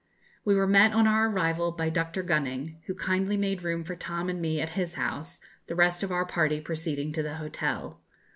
We were met on our arrival by Dr. Gunning, who kindly made room for Tom and me at his house, the rest of our party proceeding to the hotel.